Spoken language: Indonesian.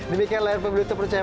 demikian layar pemilih terpercaya